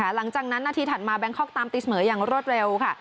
หลังจากนั้นนาทีถัดมาแบงคอกตามตีเสมออย่างรวดเร็วค่ะ